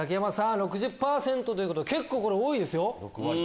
６０％ということで結構多いですよ。